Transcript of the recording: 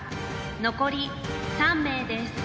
残り３名です。